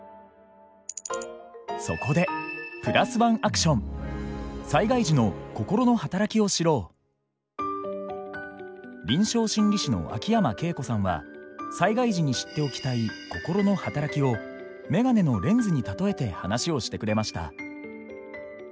そこで臨床心理士の秋山恵子さんは災害時に知っておきたい心の働きをメガネのレンズに例えて話をしてくれました。